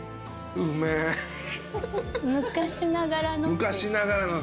昔ながらの。